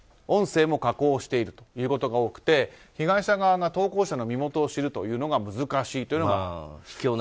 音声も加工していることが多くて被害者側が投稿者の身元を知るというのが難しいという。